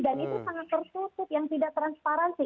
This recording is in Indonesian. dan itu sangat tertutup yang tidak transparansi